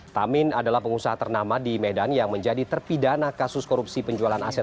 tamin adalah pengusaha ternama di medan yang menjadi terpidana kasus korupsi penjualan aset